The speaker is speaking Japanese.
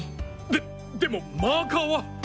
ででもマーカーは？